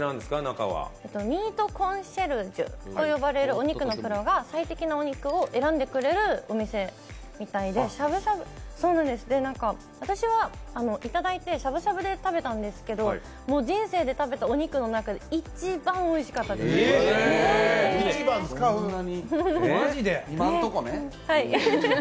ミートコンシェルジュと呼ばれるお肉のプロが最適なお肉を選んでくれるお店みたいで、私はいただいてしゃぶしゃぶで食べたんですけど人生で食べたお肉の中で一番おいしかったです、ホントに。